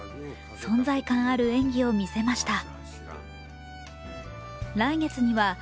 存在感ある演技を見せました。